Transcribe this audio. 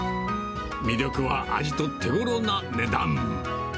魅力は味と手ごろな値段。